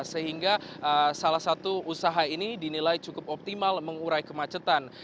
sehingga salah satu usaha ini dinilai cukup optimal mengurai kemacetan